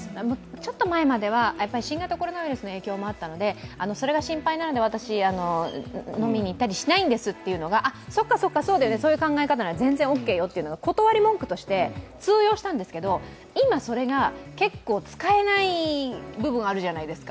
ちょっと前までは新型コロナウイルスの影響もあったので、それが心配なので、私飲みに行ったりしないんですというのがそうか、そうか、そうだよね、そういう考え方だよね、オーケーよというのが、断り文句として通用したんですけど、今それが結構使えない部分あるじゃないですか。